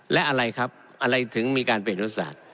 และอะไรครับอะไรถึงมีการเปลี่ยนรัฐศาสตร์